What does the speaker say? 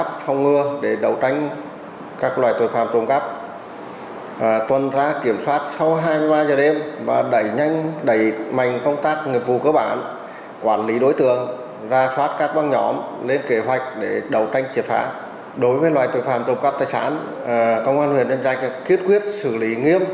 đối với loại tội phạm trộm cắp tài sản công an huy nhân trạch đã kiết quyết xử lý nghiêm